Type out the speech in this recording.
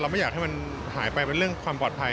ไม่อยากให้มันหายไปเป็นเรื่องความปลอดภัย